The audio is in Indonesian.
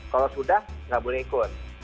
kalau sudah nggak boleh ikut